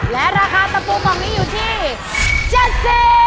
และราคาตะปูกล่องนี้อยู่ที่๗๐บาท